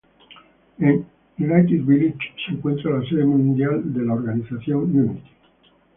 En Unity Village se encuentra la sede mundial de la organización cristiana Unity.